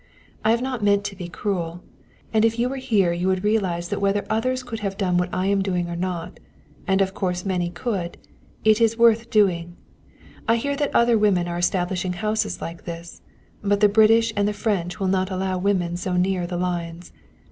"I have not meant to be cruel. And if you were here you would realize that whether others could have done what I am doing or not and of course many could it is worth doing. I hear that other women are establishing houses like this, but the British and the French will not allow women so near the lines.